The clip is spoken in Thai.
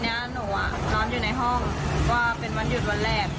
อันนี้หนูนอนอยู่ในห้องก็เป็นวันหยุดวันแรก